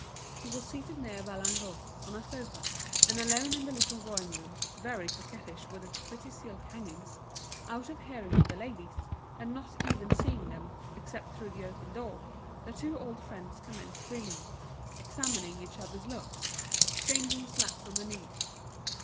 He was seated near Vallagnosc, on a sofa. And alone in the little drawing room, very coquettish with its pretty silk hangings, out of hearing of the ladies, and not even seeing them, except through the open door, the two old friends commenced grinning, examining each other's looks, exchanging slaps on the knees.